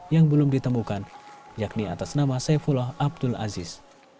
yang belum ditemukan yakni atas nama saifullah abdul aziz